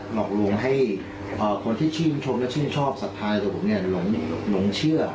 หลอกลวงให้คนชื่นชอบลงเชื่อ